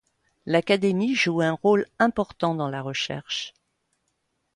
L'Académie joue un rôle important dans la recherche.